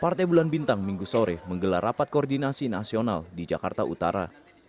partai bulan bintang minggu sore menggelar rapat koordinasi nasional di jakarta utara